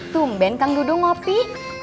tumben kang duduk ngopi